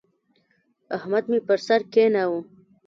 احمد مې پر سر کېناوو.